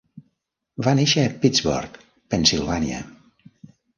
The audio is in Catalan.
Va néixer a Pittsburgh, Pennsilvània.